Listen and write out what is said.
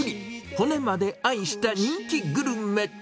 骨まで愛した人気グルメ。